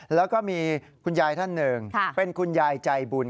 แล้วก็มีคุณยายท่านหนึ่งเป็นคุณยายใจบุญ